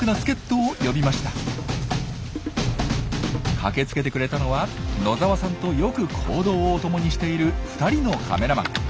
駆けつけてくれたのは野澤さんとよく行動を共にしている２人のカメラマン。